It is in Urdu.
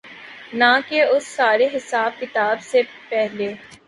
نہ کہ اس سارے حساب کتاب سے پہلے۔